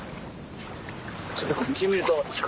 ちょっとこっち見ると。